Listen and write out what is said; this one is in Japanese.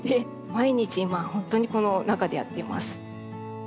毎日今本当にこの中でやっています。